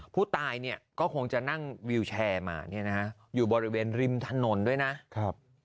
ผู้ตายก็คงจะนั่งวิวแชร์มาอยู่บริเวณริมถนนด้วยนะ